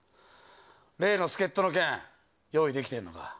例の助っ人の件、用意できてんのか？